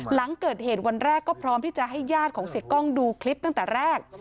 หลังเกิดเหตุวันแรกก็พร้อมที่จะให้ญาติของเสียกล้องดูคลิปตั้งแต่แรก